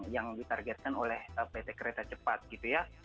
yang ditargetkan oleh pt kereta cepat gitu ya